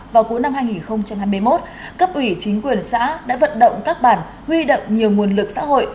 vào cuối năm hai nghìn hai mươi một cấp ủy chính quyền xã đã vận động các bản huy động nhiều nguồn lực xã hội